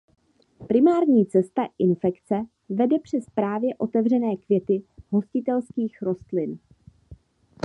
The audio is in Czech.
Primární cesta infekce vede přes právě otevřené květy hostitelských rostlin.